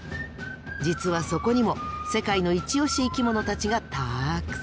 実はそこにも世界の「イチ推し生きもの」たちがたくさん！